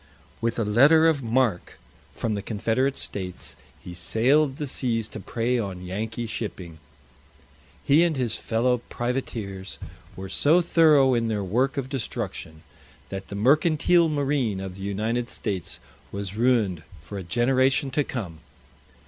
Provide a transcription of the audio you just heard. With a letter of marque from the Confederate States, he sailed the seas to prey on Yankee shipping. He and his fellow privateers were so thorough in their work of destruction, that the Mercantile Marine of the United States was ruined for a generation to come.